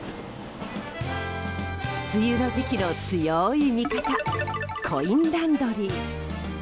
梅雨の時期の強い味方コインランドリー。